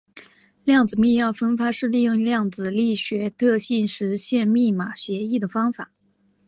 量子密钥分发是利用量子力学特性实现密码协议的方法。